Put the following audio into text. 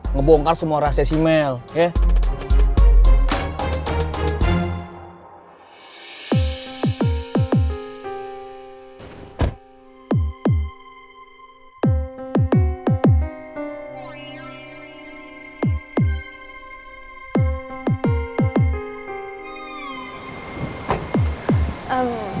ngebongkar semua rahasia si mel ya